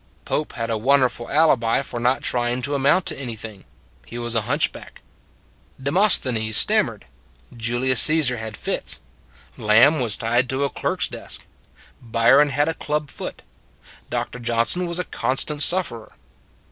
Pope had a wonderful alibi for not try ing to amount to anything. He was a hunch back. Demosthenes stammered; Julius Caesar had fits; Lamb was tied to a clerk s desk; Byron had a club foot; Dr. Johnson was a constant sufferer.